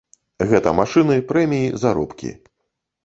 Гэта машыны, прэміі, заробкі.